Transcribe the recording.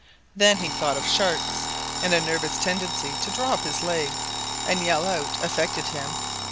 Then he thought of sharks, and a nervous tendency to draw up his legs and yell out affected him.